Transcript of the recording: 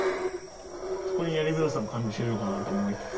そこにやりづらさも感じてるのかなと思いつつ。